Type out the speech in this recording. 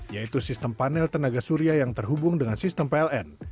yaitu sistem panel tenaga surya yang terhubung dengan sistem pln